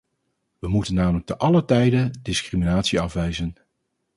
We moeten namelijk te allen tijde discriminatie afwijzen.